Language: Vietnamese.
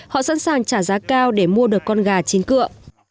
họ sẵn sàng trả giá cao để mua được con gà chín cựa